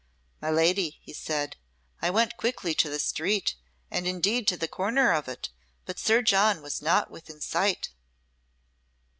"My lady," he said, "I went quickly to the street, and indeed to the corner of it, but Sir John was not within sight."